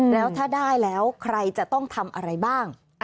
แล้วถ้าได้แล้วใครจะต้องทำอะไรบ้าง